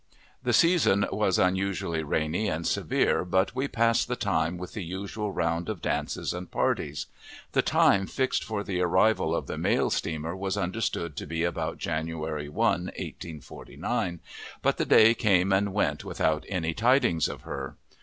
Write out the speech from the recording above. The season was unusually rainy and severe, but we passed the time with the usual round of dances and parties. The time fixed for the arrival of the mail steamer was understood to be about January 1, 1849, but the day came and went without any tidings of her.